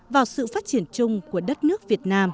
vào sự phát triển chung của đất nước việt nam